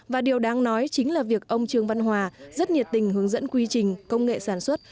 và điều đáng nói chính là việc ông trương văn hòa rất nhiệt tình hướng dẫn quy trình công nghệ sản xuất